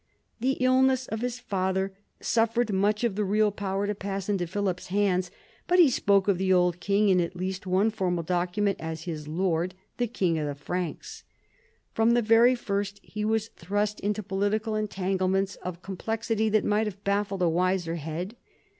The illness of his father suffered much of the real power to pass into Philip's hands, but he spoke of the old king in at least one formal document as his "lord, the king of the Franks." From the very first he was thrust into political entanglements of complexity that might have baffled a wiser head.